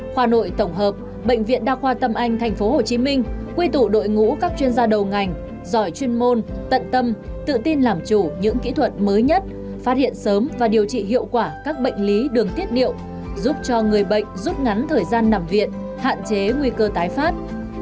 khoa nội tổng hợp bệnh viện đa khoa tâm anh tp hcm quy tụ đội ngũ các chuyên gia đầu ngành giỏi chuyên môn tận tâm tự tin làm chủ những kỹ thuật mới nhất phát hiện sớm và điều trị hiệu quả các bệnh lý đường tiết điệu giúp cho người bệnh rút ngắn thời gian nằm viện hạn chế nguy cơ tái phát